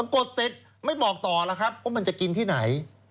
กดเสร็จไม่บอกต่อแล้วครับว่ามันจะกินที่ไหน